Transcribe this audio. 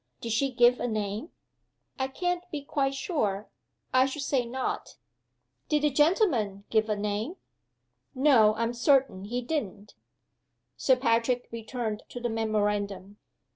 "Did she give a name?" "I can't be quite sure I should say not." "Did the gentleman give a name?" "No. I'm certain he didn't." Sir Patrick returned to the memorandum.